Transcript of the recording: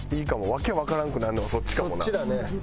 訳わからんくなるのはそっちかもな。